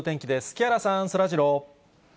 木原さん、そらジロー。